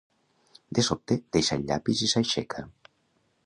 De sobte, deixa el llapis i s’aixeca.